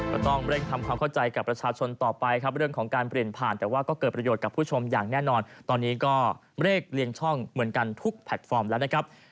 กระนกรัฐโกวิชัยข่าวไทยรัฐทีวีบรรยายงาน